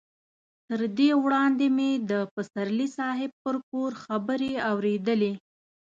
تر دې وړاندې مې د پسرلي صاحب پر کور خبرې اورېدلې.